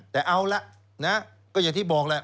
แต่เอาละนะก็อย่างที่บอกแหละ